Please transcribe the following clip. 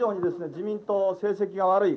自民党成績が悪い。